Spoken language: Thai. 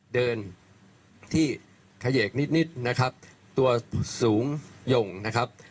เดินที่เขยกนิดนิดนะครับตัวสูงหย่งนะครับ